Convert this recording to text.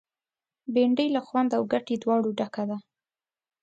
بېنډۍ له خوند او ګټې دواړو ډکه ده